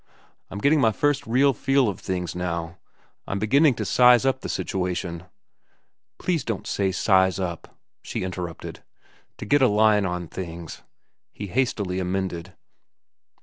I'm getting my first real feel of things now. I'm beginning to size up the situation—" "Please don't say 'size up,'" she interrupted. "To get a line on things," he hastily amended.